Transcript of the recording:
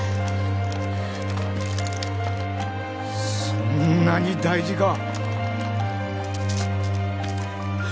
そんなに大事か。